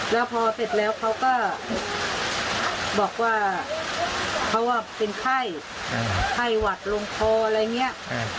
แล้วพอเสร็จแล้วเขาก็บอกว่าเขาเป็นไข้ไข้หวัดลงคออะไรอย่างนี้